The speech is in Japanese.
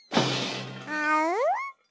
あう？